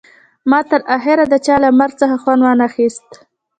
ما تر اخره د چا له مرګ څخه خوند ونه خیست